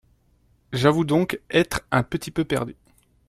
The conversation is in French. J’avoue donc être un petit peu perdu.